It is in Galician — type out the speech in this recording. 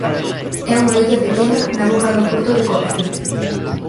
É unha illa pequena na boca do porto de Corfú.